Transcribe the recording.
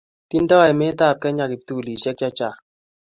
Tindo emet ab kenya kiptulishek che chang